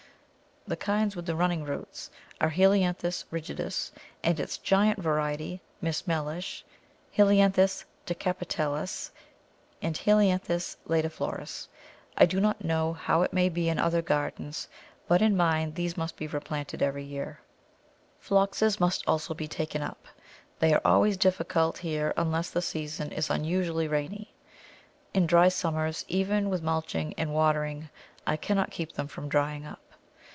The kinds with the running roots are Helianthus rigidus, and its giant variety Miss Mellish, H. decapetalus and H. lætiflorus. I do not know how it may be in other gardens, but in mine these must be replanted every year. Phloxes must also be taken up. They are always difficult here, unless the season is unusually rainy; in dry summers, even with mulching and watering, I cannot keep them from drying up.